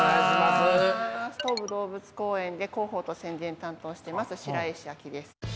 東武動物公園で広報と宣伝担当してます白石陽です。